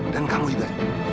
dan kamu juga